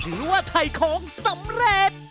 ถือว่าไถ่ของสำเร็จ